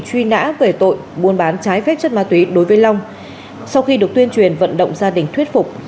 truy nã về tội buôn bán trái phép chất ma túy đối với long sau khi được tuyên truyền vận động gia đình thuyết phục